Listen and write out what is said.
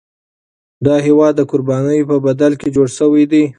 دا هیواد د قربانیو په بدل کي جوړ شوی دی.